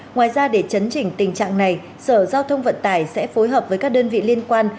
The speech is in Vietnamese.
ngoài ra để chấn chỉnh tình trạng này sở giao thông vận tải sẽ phối hợp với các đơn vị liên quan